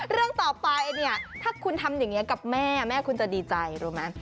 เรื่องต่อไปเนี่ยถ้าคุณทำอย่างนี้กับแม่แม่คุณจะดีใจรู้ไหม